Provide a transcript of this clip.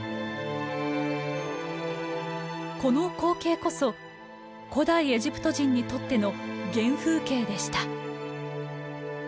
この光景こそ古代エジプト人にとっての原風景でした。